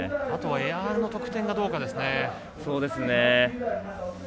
あとはエアの得点がどうかですね。